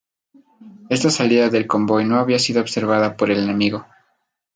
Esta salida del convoy no había sido observada por el enemigo.